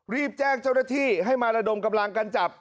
รีบแจ้งเจ้าหน้าที่ให้มาระดมกำลังกันจับ